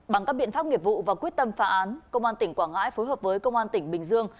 bằng các biện pháp nghiệp vụ và quyết tâm phá án công an tỉnh quảng ngãi phối hợp với công an tỉnh bình dương